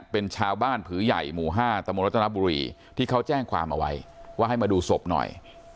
เป็นชาวบ้านผือใหญ่หมู่๕ตมรัตนบุรีที่เขาแจ้งความเอาไว้ว่าให้มาดูศพหน่อย